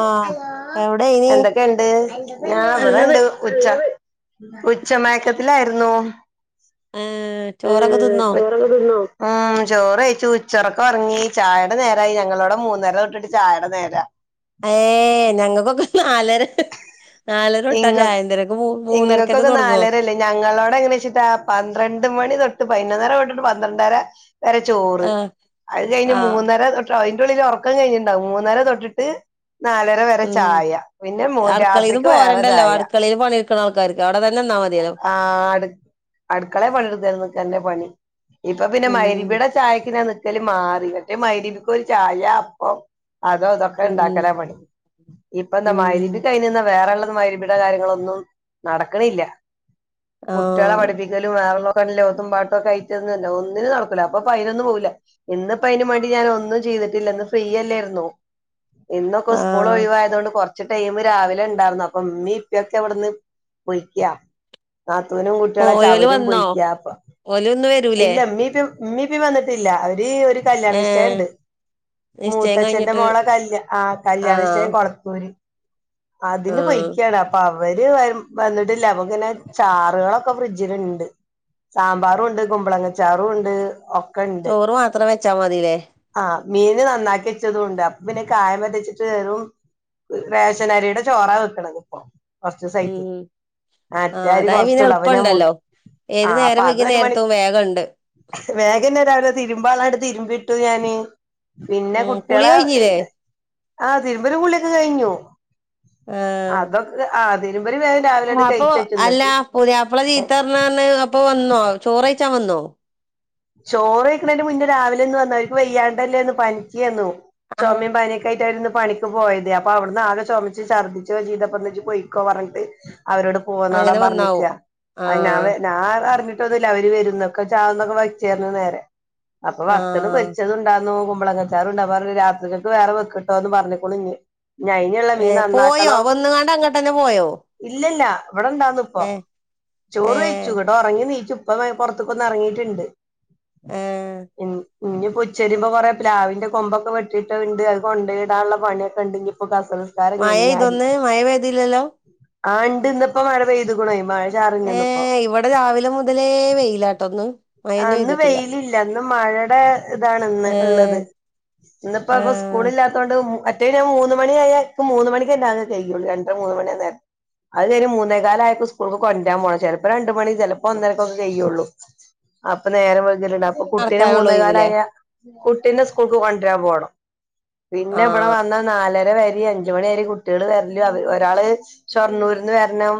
ആഹ് എവിടെയ്നി എന്തൊക്കെണ്ട് ആ നല്ലത് ഇവ്ടെണ്ട് ഉച്ച ഉച്ച മയക്കത്തിലായിരുന്നു ഏഹ് ചോറൊക്കെ മ് തിന്നോ ചോറോക്കെ തിന്നോ ആ ചോറെയ്ച്ചു ചെർക്ക ഉറങ്ങി ചായടെ നേരായി ഞങ്ങളോടെ മൂന്നര തൊട്ടിട്ട് ചായടെ നേരാ ഏ ഞങ്ങക്കൊക്കെ നാലര നാലരഒട്ട ഇങ്ങ ചായന്റെര്ക്കും ഇങ്ങക്കൊക്കെ നാലരല്ലേ ഞങ്ങളോട് എങ്ങനെ വെച്ചിട്ടാ പന്ത്രണ്ട് മണി തൊട്ട് പൈ പതിനൊന്നര തൊട്ടിട്ട് പന്ത്രണ്ടര വരെ ചോറ് ആഹ് അത് കഴിഞ്ഞ് ആഹ് മൂന്നര തൊട്ട് അയ്ന്റുള്ളില് ഒർക്കം കഴിഞ്ഞിണ്ടാവും മൂന്നര തൊട്ടിട്ട് നാലര വരെ ചായ പിന്നെ രാത്രി പോരേണ്ടല്ലോ ആടുക്കളെല് പണി ആഹ് അടു അടുക്കളെ പണി [unintelligible] പണി. ഇപ്പം പിന്നെ മഗ് ഉം രിബിടെ ചായക്കിങ്ങനെ നിക്ക് ക്കല് മാറി മറ്റെ മഗ് രിബിക്കൊരു ചായ അപ്പം. അതോ തൊക്കെ ഉം ഉണ്ടാക്കല പണി ഇപ്പൊ എന്താ മഗ് ഉം രിബിക്കയ്ന് ന്ന വേറെള്ള മഗ് രിബിടെ കാര്യങ്ങളൊന്നും നടക്കണില്ല കുട്ട്യേളെ ആഹ് പഠിപ്പിക്കലും വേറെള്ളൊ [unintelligible] ഓത്തും പാട്ടോക്കായിട്ട് [unintelligible] ഒന്നിനും നടക്കൂല ഇപ്പ പ്പയ്നൊന്നും പോകുല ഇന്നപയിനും വാണ്ടി ഞാൻ ഒന്നും ചെയ് ചെയ്തിട്ടില്ല ന്ന് ഫ്രീയല്ലായിരുന്നോ ഇന്നൊക്കെ സ്കൂള് ആഹ് ഒഴിവായതു കൊണ്ട് കൊറച്ച് ടൈമ് രാവിലെ ഉണ്ടാർന്നു അപ്പൊ ഇമ്മീ ഇപ്പിക്കെ ഇവിടുന്ന് പൊ യ്‌ക്ക്യാ നാത്തൂനും കുട്ടികളച്ച പോയോല് അവരും വന്നോ പോയിക്ക അപ്പോ ഓല് ഇന്ന് വരൂലേ ഇല്ലമ്മീപ്യു ഇമ്മിപ്പി വന്നിട്ടില്ല അവര് ഒര് കല്യാണ ഏഹ് നിശ്ചയണ്ട്. നിശ്ചയം മൂത്തച്ഛന്റെ കഴിഞ്ഞിട്ട് മോളെ കല്യാ ആഹ് ആഹ് കല്യാണശ്ചയം കൊളത്തൂര്. അതിന് ആഹ് പൊയ്ക്കാണ് അപ്പൊ അവര് വരു വന്നിട്ടില്ല അപ്പൊ ഇങ്ങനെ ചാറുകളൊക്കെ ഫ്രിഡ്ജിലിണ്ട്. സാമ്പാറും ഉണ്ട് കുമ്പളങ്ങച്ചാറും ഉണ്ട് ഒക്ക് ഒക്കെണ്ട് ചോറ് മാത്രം വെച്ചാ മതിലേ ആഹ് മീന് നന്നാക്കി വെച്ച് ച്ചതൂണ്ട് അപ്പ പിന്നെ [unintelligible] വറ്റിച്ചിട്ട് വെറും റേഷനരീടെ ചോറാ വെക്കണത് ഇപ്പൊ. കൊറച്ചൂസായിറ്റ് ഉം മറ്റെ ആഹ് അരി അതായ പിന്നെ കൊറച്ചൊള്ളു അപ്പൊ ഞാൻ മു എളുപ്പണ്ടല്ലോ ഏത് ആഹ് അപ്പ നേരം വൈകിയ അതൊരു മണി നേരത്തും വേഗണ്ട് വേഗെന്നെ രാവിലെ തിരുമ്പാള്ള ആ തിരുമ്പി ട്ടു ഞാന് പിന്നെ ഉം കുളി കുട്ടിയളെ കഴിഞ്ഞില്ലേ ആഹ് തിരുമ്പലും കുളിയൊക്കെ കഴിഞ്ഞു. ആഹ് അതൊക്കെ ആഹ് തിരുമ്പല് വേഗം രാവിലെ ആഹ് അപ്പൊ അല്ല പുത്യാപ്പള ചീത്തറിഞ്ഞു പറഞ്ഞ് അപ്പൊ വന്നോ ചോറയിച്ചാൻ വന്നോ? ചോറ് വെയ്ക്കണേന്റെ മുന്നേ രാവിലെ ഒന്ന് വന്ന് അവര്ക്ക് വെയ്യാണ്ടല്ലേന്ന് പനിക്കാന്നു ആഹ് ചൊമയും പനിയൊക്ക ആയിട്ടവരിന്ന് പണിക്ക് പോയത് അപ്പൊ അവിടുന്ന് ആകെ ചൊമച്ച് ൾർദിച്ചൊക്കെ ചെയ്തപ്പോ ഇന്നാ ഇജ്ജ് പോയിക്കോ പറഞ്ഞിട്ട് അവരോട് പോന്നോളം അങ്ങനെ വന്നാവും പറഞ്ഞിക്കാ അത് ഞാ ആഹ് ഞാനതറിഞ്ഞി ട്ടൊന്നുല്ല അവര് വരുന്നൊക്കെ [unintelligible] വയ്ച്ചാരുന്നു നേരെ അപ്പൊ വത്തള് ആഹ് പൊരിച്ചതും ഇണ്ടാർന്ന് കു മ്പളങ്ങ ച്ചാറുണ്ടാ പറഞ്ഞ് രാത്രിക്കക്ക് വേറെ വെക്കക്ക്ട്ടോന്ന് പറഞ്ഞുക്കണു ഇനി ഇനി ആയിന്ള്ള മീൻ ഏഹ് പോയോ നന്നാക്കണം വന്നുകാണ്ട് അങ്ങട്ടന്നെ പോയോ ഇല്ല ഇല്ല ഇവിടെണ്ടാർന്നു ഇപ്പൊ ഏഹ് ചോറ് കയിച്ചു ഏഹ് ഇന്നട്ട് ഒറങ്ങി എണീച്ചു ഇപ്പ പൊറത്തക്കൊന്ന് എറണീട്ടുണ്ട് ഏഹ് [unintelligible] ഇനി ഇപ്പ ഉച്ചരിമ്പൊ കൊറെ പ്ലാവിന്റെ കൊമ്പൊക്കെ വെട്ടിട്ടത്ണ്ട് അത് കൊണ്ടയ് ഇടാനുള്ള പണിയൊക്കെ ഇണ്ട് ഇനിയിപ്പോ കഷ് മയ പെയ്തോ ഇന്ന് മയ പെയ്തില്ലല്ലോ? ആ ഇണ്ട് ഇന്ന് ഇപ്പോ മഴ പെയ്തുക്കുണെ മഴ ചാറിനിന്നിപ്പോ ഏഹ് ഇവിടെ രാവിലെ മുതലേ വെയിലാട്ടൊന്ന് ആഹ് മഴന്നെ ഇന്ന് പെയ്തിട്ടില്ല വെയിലില്ല ഇന്ന് മഴടെ ഇതാണ്ന്ന് ഏഹ് ഇള്ളത്. ഇന്നിപ്പോ അപ്പ ആഹ് സ്കൂളില്ലാത്തൊണ്ട് മറ്റേ ഞാൻ മൂന്ന് മണിയായാൽ ആരിക്കും മൂന്ന് മണിക്ക് തന്നെ അ കഴിയുള്ളൂ രണ്ട് മൂന്ന് മണിയാ നേരം അത് കഴിഞ് മൂന്നേക്കാലയപ്പോ സ്കൂൾക്ക് കൊണ്ടാൻ പോകണം ചെലപ്പോ രണ്ട് മണി ചെലപ്പോ ഒന്നരക്കൊക്കെ ചെയ്യുള്ളൂ അപ്പൊ നേരം വെളുത്തിട്ടുണ്ട് അപ്പൊ കുട്ടീനേം നടക്കാനുള്ള ഒഴിവുല്ലേ മൂന്നേകാലായ കുട്ടീന്റെ സ്കൂൾക്ക് കൊണ്ടരാൻ പോണം പിന്നെ ഇവിടെ ആഹ് വന്നാ നാല ഇവിടെ വരി അഞ്ച മണി വരി കുട്ടികള് വരല് ഒരാള് ഷോർണ്ണൂർന്ന് വരണം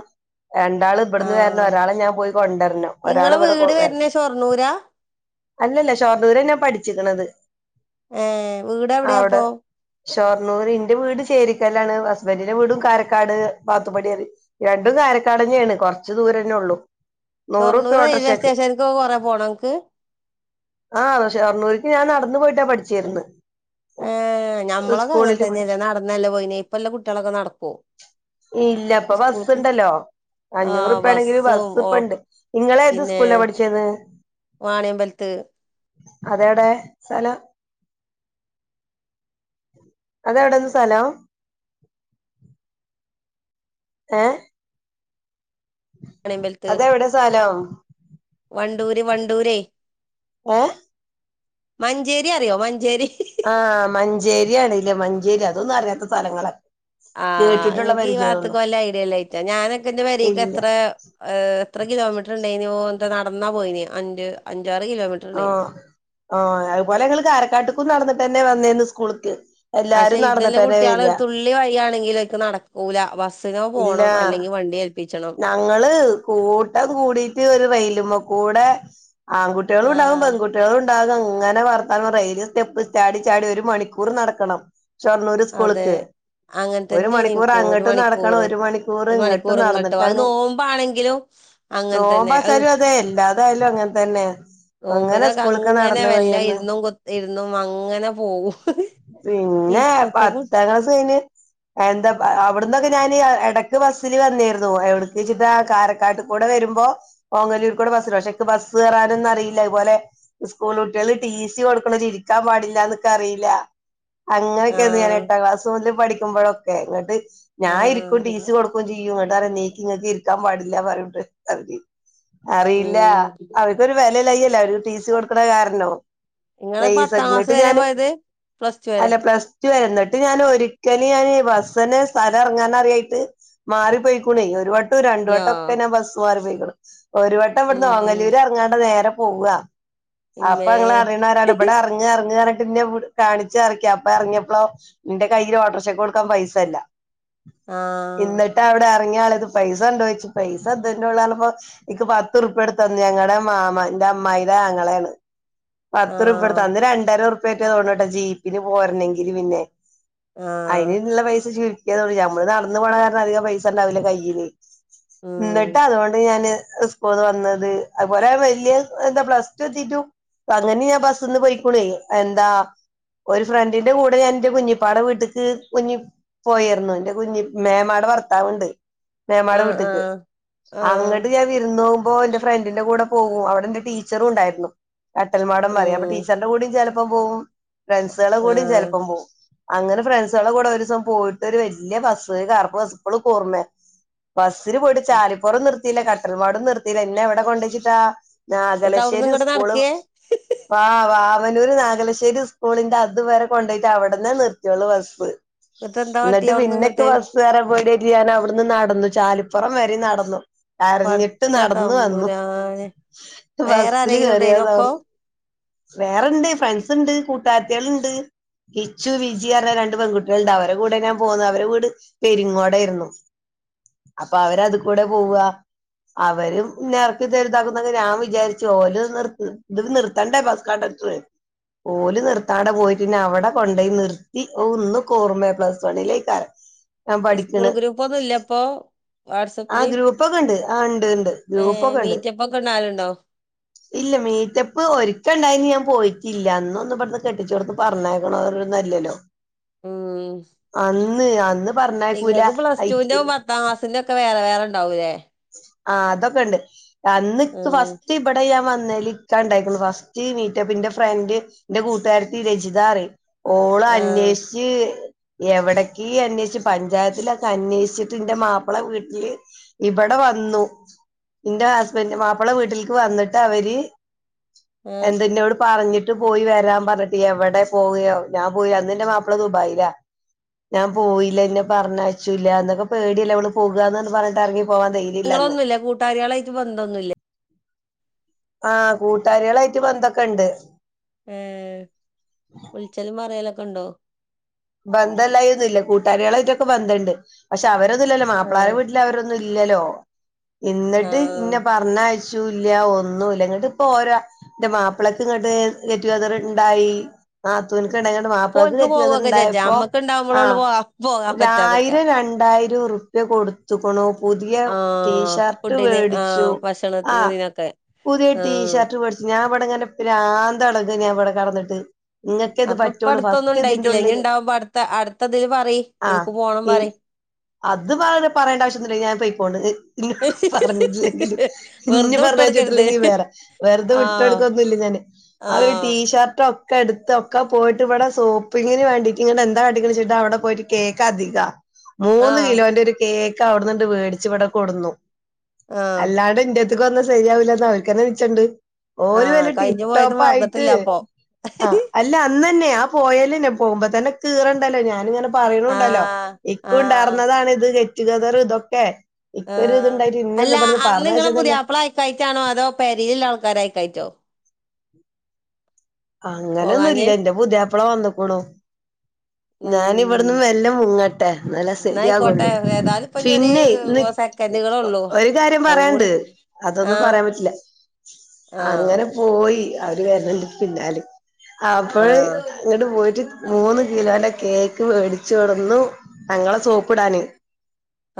രണ്ടാള് ഇവിടുന്ന് ആഹ് വരണം ഒരാളെ ഞാൻ പോയി കൊണ്ടുവരണം ഒരാൾ ഇവിടെ വരണം ഷൊർണുരാ അല്ലല്ല ഷോർണൂര ഞാൻ പഠിച്ചിക്കണത് ആ വീട് എവിടെയാ അപ്പൊ ഷൊർണ്ണൂര് ഇന്റെ വീട് ചേരിക്കല്ലാണ് ഹസ്ബൻറിന്റെ വീട് കാരക്കാട് പാത്തുപടിറി രണ്ടും പാരക്കാട്ന്നെയണ് കുറച്ച് ദൂരന്നേ ഉള്ളൂ നൂറ് ഷൊർണൂർ റുപ്പിയാ റെയിൽവേ ഓട്ടോറിഷക്ക്‌ സ്റ്റേഷൻക്ക് കൊറേ പോണോ അനക്ക് ആഹ പക്ഷെ ഷോർണൂര്ക്ക് ഞാൻ നടന്നു പോയിട്ടാ പഠിചേരുന്നത് ഏ ഞമ്മളൊക്കെ അങ്ങനെ പഠിച്ച തന്നെയല്ല നടന്നല്ലേ പോയിനെ ഇപ്പ എല്ലാം കുട്ടികളൊക്കെ നടക്കുവോ ഇല്ല ഇപ്പൊ ബസ്സുണ്ടല്ലോ ആ അഞ്ഞൂറ് റുപ്പാ ആണെങ്കിലും ബസ്സും ബസ് ഓ ഇപ്പ ഒണ്ട് നിങ്ങളെ ഏത് പിന്നെ സ്കൂളിലാ പഠിച്ചേത് വാണിയമ്പലത്ത് അതേടെ സ്ഥലം അതെവിടെന്ന് സ്ഥലം ഏ വാണിയമ്പലത്ത് അതെവിടെ സ്ഥലം വണ്ടൂര് വണ്ടൂരെയ് ഓ മഞ്ചേരി അറിയോ മഞ്ചേരി ആഹ് മഞ്ചേരിയാണ് ഇല്ലേ മഞ്ചേരി അതൊന്നും അറിയാത്ത സ്ഥലങ്ങളാ ആഹ കേട്ടിട്ടുള്ള നിങ്ങൾക്ക് ഈ പരിചയള്ളു വാർത്തക്ക് വല്ല ഐഡില്ലായിറ്റ ഞാനൊക്കെന്റെ വരിക്ക് ഇല്ല എത്ര എ എത്ര കിലോമീറ്ററുണ്ടായിന്നു ഓ ട്ട് നടന്നാ പോയിന് അഞ്ച് അ ആ ആഹ അതുപോലെ ങ്ങള് കാരക്കാട്ടക്കും നടന്നിട്ട് തന്നെ വന്നേന്ന് സ്കൂളക്ക് പക്ഷെ ഇന്നലെ കുട്ടികള് ഒരു തുള്ളി വയ്യാ ണ്ടങ്കിലേക്ക് നടക്കൂല ബസിനോ ഇല്ല പോണം അല്ലെങ്കി വണ്ടി ഏൽപ്പിച്ചണം ഞങ്ങള് കൂട്ടം കൂടിട്ട് ഒരു റയിലുമ്മേ കൂടെ ആകുട്ടികളും ഉണ്ടാവും ആഹ് പെകുട്ടികളു ണ്ടാകും അങ്ങനെ വർത്താന്നം പറ വലിയ സ്റ്റെപ്പ് ചാടി ചാടി ഒരു മണിക്കൂറ് നടക്കണം ചൊർണൂര് അതെ സ്കൂളക്ക് അങ്ങനെ ഒരു തന്നെയാണ് എനിക്കും ഒരു മണിക്കൂറങ്ങട്ടും നടക്കണം മണിക്കൂറ് ഒരു ഒരു മണിക്കൂർ മണിക്കൂറിങ്ങട്ടും ഇങ്ങോട്ടോ അത് നടന്നിട്ടാണ് നോമ്പാണെങ്കിലും അങ്ങനെ തന്നെ അത് നോമ്പാച്ചാലും അതേ എല്ലാതായാലും അങ്ങനെ തന്നെയ നോമ്പിനൊക്കെ അങ്ങനെ വല്ല ഇരുന്നും കുത്തിയിരുന്നും അങ്ങനെ പോകും പിന്നെ ഇപ്പത്തെ കുട്ടി പത്താം ക്ലാസ് കയിഞ്ഞ് അ എന്താ അവിടന്നൊക്കെ ഞാന് ഇ എടയ്ക്ക് ബസ്സില് വന്നീര് ന്നു എവിടെക്കേച്ചിട്ടാ കാരക്കാട്ട്ക്കൂടെ വരുമ്പോ ഓങ്ങല്ലൂര്കൂടെ ബസ്ണ്ട് പക്ഷെ ബസ് കേറാനൊന്നും അറിയില്ല അതേ പോലെ സ്കൂള് കുട്ടികള് ടി സി കൊടുക്കണോര് ഇരിക്കാൻ പാടില്ലാന്നൊക്കെ അറിയില്ലാ അങ്ങനൊക്കയാന്ന് ആഹ് ഞാനെട്ടാം ക്ലാസ് മൊതല് പഠിക്കുമ്പഴൊക്കെ എന്നിട്ട് ഞാ ഇരിക്കും ആഹ് ടീ സി കൊടുക്കുവേം ചെയ്യും ഇങ്ങട്ടാറെണീക്ക് ഇങ്ങക്കിരിക്കാൻ പാടില്ല പറയുണ്ട് അവര് അറിയില്ലാ ഉം അവരക്കൊരു വെലയില്ലായ്കയല്ലെ ഒരു ടി സി കൊടുക്കണ കാരണൊ നിങ്ങള് പൈസ പത്താം ക്ലാസ് ഇങ്ങ്ട്ട് വരെ ഞാന് പോയത് പ്ലസ് ടു വരെ അല്ല പ്ലസ് റ്റുവാരുന്നു എന്നിട്ട് ഞാനൊരിക്കല് ഞാന് ബസ്സന്നെ സ്ഥലം എറങ്ങാനറിയായിട്ട് മാറിപ്പോയെ ക്കുണേ ഒരു വട്ടവും രണ്ട് യോ വട്ടൊക്കെ ഞാൻ ബസ് മാറി പോയിക്കണു ഒരു വട്ടം ഉം ഇവിടന്നോങ്ങല്ലൂര് എറങ്ങാണ്ട് നേരെ പോവ്വാ അപ്പൊ ഇമ്മേ ഇങ്ങളറിയണാരാണ്ട് ഇവിടെറങ്ങ് എറങ്ങ് പറ ഞ്ഞ് അങ്ങോട്ട് കാണിച്ചെറക്കി അപ്പ എറങ്ങിയപ്പളോ ഇന്റെ കയ്യിലോട്ടറഷക്ക് കൊടുക്കാൻ പൈസയില്ല ആഹ് ഇന്നട്ട് അവിടെറ ങ്യാളേത് പൈസണ്ടോയ്ച്ച് പൈസ ഇതന്നൊള്ളൂറഞ്ഞപ്പോ ഇക്ക് പത്ത് റുപ്യൊടത്തന്ന് ഞങ്ങടെ മാമ ഇൻ്റ ൻ്റമ്മായീടാങ്ങളേണ് പത്ത് റുപ്യെടുത്ത് ആഹ് അന്ന് രണ്ടര റുപ്യാറ്റെ തോണ്ണൂട്ട ജീപ്പിന് പോരണെങ്കില് പിന്നെ ആഹ് അയിനിള്ള പൈസ ചുരുക്കിയാ [unintelligible] ഞമ്മള് നടന്ന് പോണ കാരണം അധികം പൈസ് സണ്ടാവൂല കയ്യില് ഉം ന്നട്ടതോണ്ട് ഞാന് ഇസ്കൂള്ന്ന് വന്നത് അതുപോലെ വല്ല്യ എന്താ പ്ലസ് ടു എത്തീട്ടും അങ്ങനെ ഞാ ബസ്സ്ന്ന് പൊയ്ക്കുണ്വേ അഹ് എന്താ ഒരു ഫ്രണ്ടിന്റ കൂടെ ഞാൻ ന്റെ കുഞ്ഞിപ്പാടെ വീട്ട്ക്ക് കുഞ്ഞി പോയേർന്നു ൻ്റെ കുഞ്ഞി മേമാട ഭർത് ത്താവ്ണ്ട് മേമാട ആഹ് വീട്ട്ക്ക് ആഹ് ആഹ് അങ്ങട്ട് ഞാൻ വിരുന്നു മ്പോ എന്റെ ഫ്രണ്ടിന്റ കൂട പോവൂ അവടെൻ്റെ ടീച്ചറുണ്ടായിരുന്നു അട്ടല് മാഡം പറയും അപ്പൊ ഉം ടീച്ചറിന്റെ കൂടേം ചെലപ്പ് പ്പം പോവും ഫ്രണ്ട്സ്കളെ കൂടേം ആഹ് ചെലപ്പം പോവും അങ്ങനെ ഫ്രണ്ട്സ്കളെ കൂടെ ഒരുസം പോയിട്ടൊരു വല്ല്യ ബസ്സ് കറ്പ്പ് ബസ്സ് ഇപ്പളുക്കോർനെ ബസ്സില് പോയിട്ട് ചാലിപ്പൊറം നിർ ത്തീല കട്ടൽമാടും നിർത്തീല ഇന്നെവിടെ കൊണ്ടെച്ചിട്ടാ എന്നിട്ട് അവിടുന്ന് നാഗലശ്ശേരി ഇങ്ങട്ട് ഉസ്കൂള് നടക്കേ വാ വാ വാവന്നൂര് നാഗലശ്ശേരി ഉസ്കൂളിന്റെ അതുവരെ കൊണ്ടോയിട്ട് അവിടന്നേ നിർത്തിയൊള്ളൂ ബസ്സ് എന്നിട്ട് എന്താ കാട്ടി ഇന്നട്ട് അവിടുന്ന് പിന്നെക്ക് ഇങ്ങട്ട് ബസ്സ് ഏറാൻ പേടിയായ് ട്ട് ഞാന വിടുന്ന് നടന്നു ചാലിപ്പൊറം വരെ നടന്നു കരഞ്ഞിട്ട് പടച്ച നടന്ന് വന്നു തമ്പുരാനെ വേറെ ബസ്സില് ആരെങ്കിലും ഉണ്ടായിനോ അപ്പൊ കേറിയതാർ വേറെണ്ട് ഫ്രണ്ട്സ്ണ്ട് കൂട്ടാര്ത്തികള്ണ്ട് കിച്ചു വിജി അറഞ്ഞ രണ്ട് പെങ്കുട്ടികള്ണ്ട് അവര കൂടെ ഞാ പോന്ന് അവര വീട് പെരിങ്ങോടായിര്ന്ന് അപ്പൊ അവരത്ക്കൂടേ പോവ്വാ അവരും ന്നെ എറക്കിത്തരുതാക്കുന്നൊക്കെ ഞാൻ വിചാരിച്ചു ഓല് നിർത്ത് ഇതില് നിർത്തണ്ടേ ബസ്സ് കണ്ടക് ട്ർ ഓല് നിർത്താണ്ടാ പോയിട്ടിന്നവട കൊണ്ടയ് നിർത്തി ഓഹ് ഇന്നുക്കോർമേ പ്ലസ് വണ്ണിലേക്കാരം ഞാൻ പഠിക്ക്ണ് ഇപ്പൊന്നുല്ലപ്പോ ആഹ് ഗ്രൂപ്പൊക്കണ്ട് ആഹ് ഇണ്ട് ഇണ്ട് ഏഹ് ഗ്രൂപ്പൊക്കണ്ട് മീറ്റപ്പ് ഒക്കെ ഇടുന്ന ആളുണ്ടോ ഇല്ല മീറ്റപ്പ് ഒരിക്കണ്ടായി അയിന് ഞാൻ പോയിറ്റില്ല അന്നൊന്നും ഇവിടന്ന് കെട്ടിച്ചോടത്ത് പറഞ്ഞയക്കണോരൊന്നുവല്ലല്ലോ ഉം ഇന്ന് അന്ന് പറഞ്ഞയക്കൂല റ്റൂൻ്റ ഉം പത്താം ക്ലാസ്സിൻ്റൊക്കെ വേറെ വേറെണ്ടാവൂല്ലേ ആഹ് അതൊക്കെ ഇണ്ട് അന്ന് ഇക്ക് ഉം ഫസ്റ്റ് ഇവിടെയാൻ വന്ന് ഇക്ക ഉണ്ടായിള്ളു ഫസ്റ്റ് മീറ്റപ്പ് എന്റെ ഫ്രണ്ട് എന്റെ കൂട്ടുകാരത്തി രചിതറ ഓള ആഹ് അന്വേഷിച്ച് എവിടക്ക് അന്വേഷു പഞ്ചായത്തിലൊക്കെ അന്വേഷിച്ചിട്ട് എന്റെ മാപ്പിള വീട്ടില് ഇവിടെ വന്നു എന്റെ ഹസ്ബൻറ് മാപ്പിളെ വീട്ടിലേക്ക് വന്നിട്ട് അവര് എന്തന്ന അവിടെ പറഞ്ഞിട്ട് പോയി വരാൻ പറഞ്ഞിട്ട് എവിടെ പോവയോ ഞാൻ പോയോ അന്ന് എന്റെ മാപ്പിള ദുബായില്ല ഞാൻ പോയില്ല എന്നന്നെ പറഞ്ഞച്ചൂല്ല എന്നൊക്കെ പേടിയല്ലേ അവള് പോകുകന്ന് പറന്ന് പറഞ്ഞിട്ടങ്ക നിങ്ങളൊന്നുമില്ല കൂട്ടാകളായിട്ട് ബന്ധംൊന്നുമില്ല ആഹ കൂട്ടാരികളായിട്ട് വന്തൊക്കെുണ്ട് ഏർ ഉളിച്ചല്ും മറലൊക്കെ ഉണ്ടോ ബന്ധല്ലായ ഒന്ന ഇല്ല കൂട്ടാരികളായിട്ടൊക്കെ ബന്ധുണ്ട് പക്ഷെ അവരന്നുമല്ലോ മാപ്പിളാർ ആഹ് വീട്ടില് അവരൊന്നുംല്ല ഇല്ലല്ലോ എന്നിട്ട് ആഹ് ഇന്ന പറഞ്ഞഴ ല്ല ഒന്നുംല്ല ഇങ്ങട്ട് ഇപ്പ ഓരാ എന്റെ മാപ്പിളക്ക് ഇങ്ങോട്ട് കറ്റതണ്ടായി നണ്ട മാ അപ്പൊ പ്രതി ഓൽക്ക് പോവൊക്കെ കെറ്റണ്ട ചെജ്ജാ അമ്മക്ക് ഇണ്ടാവുമ്പളൊള്ളു പോവാ പോകാൻ പറ്റാത്ക്കാ ആയിരം രണ്ടായിരം ഉറുപ്യ കൊടുത്തക്കണോ പുതിയ ആഹ് ടീഷർ്ട് ഫുഡിന് വേടിച്ചു ആഹ് ആ ഭക്ഷണത്തിന് ഇതിനൊക്കെ പുതിയ ആഹ് ടീഷർട്ട് പേടിച്ചു ഞാൻവിടെന്നെ പ്രാന്തടങ് ഞാൻവിടെ കടന്നിട്ട് നിങ്ങക്ക ഇത് പറ്റുള്ളൂ ഫസ്റ്റ് ഇതിന്റെ ഉള്ളില് അടു അടുത്തതില് പറ എനിക്ക് പോണം പറ ആഹ് അത് പറ പറയേണ്ട ആവശ്യംന്നില്ല ഞാൻ പ ഇപ്പോ ഇന്നോട് പറഞ്ഞില്ലെങ്കും ഇ വെറുതെ പറ വിട്ടൊട്ക്കരുത് ച്ചിട്ടില്ലെങ്കിൽ വേറെ വെറുതെ വിട്ട് ആഹ് എടുക്കൊന്നുമ ഇില്ല ഞാൻ ആ ഒരു ആഹ് ടീഷർട്ടോ ഒ എടുത്ത്ൊക്കെ പോയിട്ട് ഇവിടെ സോപ്പിങ്ങിന് വേണ്ടി ഇങ്ങ എന്താ അടിിക ചിട്ടാ അവിടെ പോയിട്ട് കേക്ക് അധികം മൂന്ന് ആഹ് കിലോന്റെ ഒരു കേക്ക് അവിടുന്നുണ്ട് വേടിച്ചവിടെ കൊടുന്നു ആഹ് അല്ലാണ്ട് ഇന്റെ ഇക്കൊന്നും ശരിയാവില്ലാ അവഴക്ക് തന്നെ വിനച്ചുണ്ട് ഓന് ആഹ് വല ടിപ് കഴിഞ്ഞു പോയത് ടോപ്പ് ആയിട്ട് മറന്നിട്ടില്ല അപ്പൊ ആ അല്ല അന്നന്നെയ ആ പോയലന്നെ പോകുമ്പോ തന്നെ കീറണ്ടല്ലോ ഞാനിങ്ങനെ പറയണണ്ടല്ലോ ആഹ് ഇക്ക ആഹ് ഉണ്ടാർന്നതാണ ഇത് ഗെറ്റഗതറ ഇതൊക്കെ ആ ഇക്കൊരു ഇതുണ്ടായിട്ട് അല്ല ഇന്നൊന്നും ഇവിടുന്ന് അന്ന് നിങ്ങെ പറഞ്ഞയച്ചതല്ല പുതിയാപ്പള അയക്കായിട്ടാണോ അതോ പരിലുള്ള ആൾക്കാരയക്കായിറ്റോ പോകാഞ്ഞെ അങ്ങനൊന്നുംല്ല എന്റെ പുതിയ എപ്പള വന്നക്കൂണു ഞാനിവിടന്ന് ഉം വെല്ലെ മുങ്ങട്ടെ നല്ല എന്നായിക്കോട്ടെ സെരിയാകൊള്ളു ഏതായാലും ഇപ്പൊ ഇനി ഒരു പിന്നെ ഇന്ന് സെക്കൻഡുകളേ ഉള്ളൂ ഒരു കാര്യം അത് കൂടി പറയണ്ട് അതൊന്നും ആഹ് പറയാൻ പറ്റില്ല ആഹ് അങ്ങനെ പോയി അവര് വരന്ന്‌ണ്ട് പിന്നാല് അപ്പോഴ് ആഹ് അങ്ങട്ട് പോയിട്ട് മൂന്ന് കിലോന്റെ കേക്ക് മേടിച്ചു കൊടുന്നു ഞങ്ങളെ സോപ്പ് ഇടാന്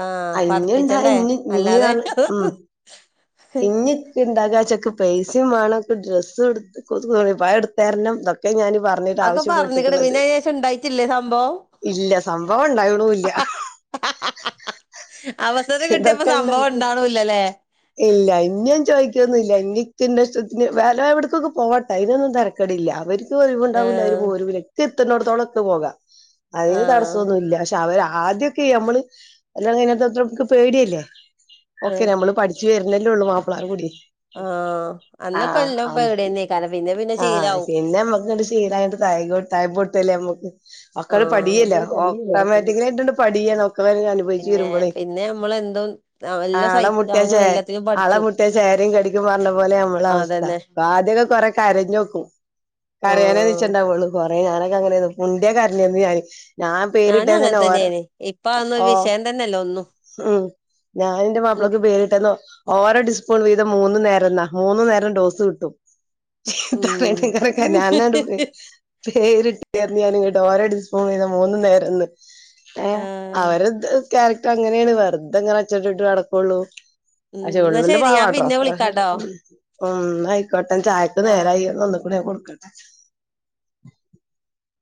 ആഹ് അഞ്ഞുണ്ട [unintelligible] പതപ്പിച്ചണ്ടേ ഇഞ് അല്ലാതെ ഇഞണ് ഉം ഇഞ് [unintelligible] തകാശൊക്കെ പൈസേം വേണംക്ക് ഡ്രസ്സും എടു കൊ പ എടുത്തരണം ഇതൊക്കെ ഞനും പറഞ്ഞിട്ട് അതൊക്കെ പറഞ്ഞിക്കണ് ആവിശപ്പെട്ടിക്കണത് പിന്നെ അതിന് ശേഷം ഉണ്ടായിട്ടില്ലേ സംഭവം ഇല്ല സംബവം ണ്ടായകണൂല്ല [unintelligible] അവസരം കിട്ടിയപ്പോ ഇതൊക്കെ ഇണ്ട സംഭവം [unintelligible] ഉണ്ടാവണില്ലല്ലേ ഇല്ല ഇഞ്ഞൻ ചോയ് ക്യോന്നുംല്ല എന്ക്കിന്റെ ഇഷ്ടത്തിന് വേ [unintelligible] എവിട്ക്ക്ക്ക് പോട്ടെ അയിനൊന്നുംതെരക്കെടില്ല അവര് ഒയ്വ് ഉണ്ടാവൂല്ല അവര് ആഹ് പോരൂല്ല ക്ക് എത്ത്ന്നടത്തോളം ക്ക് പോകാം അതിന് ആഹ് തടസ്സോന്നുല്ല പക്ഷെ അവര് ആദ്യൊക്കെ നമ്മള് കല്യാണം കഴിഞ്ഞപ്പത്തേക്ക് പേടിയല്ലേ അതെ ഒക്കെ നമ്മള് പഠിച്ചു ജ് വരുന്നല്ലേ ഉള്ളൂ മാപ്പള അത് കുടുങി ആഹ് അന്നൊക്കെ എല്ലാം പരിപാടിന്നെയാ കാരണം പിന്നെ പിന്നെ ആഹ് ശീലാവും പിന്നെ നമ്മക്ക് കണ്ട് ശീലായോണ്ട് [unintelligible] പൊട്ടല്ലേ അമ്മക്ക് ഒക്കാട് ആഹ് പടിയേല്ല ഓട്ടോമാറ്റിക്കലായിട്ടൊണ്ട് പഠിയേ എന്നൊക്കെ വര് അനുഭവച്ച് പിന്നെ തീരുമ്പോളേ പിന്നെ നമ്മളെന്തും എല്ലാം ആളെ മുട്ടിയ ച സഹിക്കാനും എല്ലാത്തിനും ആളെ പഠിച്ചു മുട്ടിയ ചേരയും കടിക്കുംന്ന് പറഞ്ഞ പോലെയാ നമ്മള അവസ്ഥ അതന്നെ ആദ്യൊക്കെ കൊറെ കരഞ്ഞോക്കും. കരയാനേ ആഹ് വിധിച്ചിണ്ടാവോള്ളൂ കൊറേ ഞാനൊക്കെ അങ്ങനെയാ മുണ്ടിയാ കരയാര്ന്ന് ഞാന് ഞാൻ ഞാനും പേരിട്ടേന്ന് അങ്ങനെ തന്നെ ഓരോ തന്നെയാണ് ഇപ്പൊ അതൊന്നും ഒരു ഓ വിഷയം തന്നെയല്ല ഒന്നും ഉം ഞാന് എന്റെ ഉം മാപ്പിളക്ക് പേരിട്ടേന്ന് ഓരോ ഡിസ്പൂൺ വീതം തം മൂന്നു നേരം ന്നാ മൂന്നു നേരോം ഡോസ് കിട്ടും ഉം ഉം [unintelligible] പേരിട്ടന്ന് ഞാനങ്ങോര [unintelligible] വീതം മൂന്ന് നേരംന്ന് ആഹ് അവരെന്തോ അങ്ങനെയാണ് വെറുതെങ്ങനെ അച്ചട്ട ഇട്ട് നടക്കുള്ളൂ ഉം പക്ഷെ എന്നാ ഉള്ളില് ശരി ഞാൻ പാവാട്ടോ പിന്നെ വിളിക്കാട്ടോ ഒന്നായിക്കോട്ടേ ചായക്ക് ആഹ് നേരായി കൂടെ എനക്ക് കൊടുക്കണ്ടെ